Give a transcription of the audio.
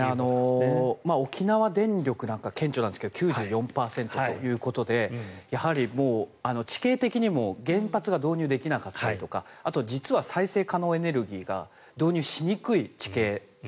沖縄電力なんか顕著なんですが９４％ということでやはり地形的にも原発が導入できなかったりとかあと実は再生可能エネルギーが導入しにくい地形